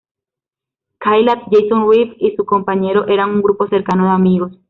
Caillat, Jason Reeves y su compañero eran un grupo cercano de amigos.